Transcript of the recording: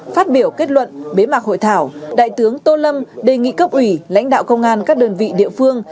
phát biểu kết luận bế mạc hội thảo đại tướng tô lâm đề nghị cấp ủy lãnh đạo công an các đơn vị địa phương